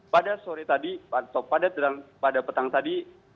pada sore tadi atau pada petang tadi